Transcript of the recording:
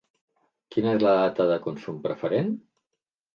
Quina és la data de consum preferent?